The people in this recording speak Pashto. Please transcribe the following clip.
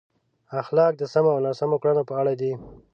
اخلاق د سمو او ناسم کړنو په اړه دي.